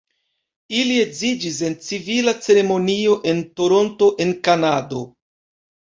Ili edziĝis en civila ceremonio en Toronto en Kanado.